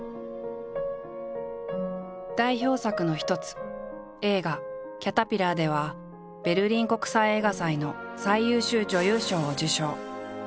代表作の一つ映画「キャタピラー」ではベルリン国際映画祭の最優秀女優賞を受賞。